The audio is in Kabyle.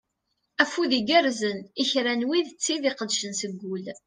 Afud igerzen i kra n wid d tid iqeddcen seg ul.